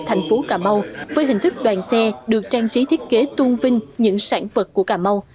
thành phố cà mau với hình thức đoàn xe được trang trí thiết kế tuôn vinh những sản vật của cà mau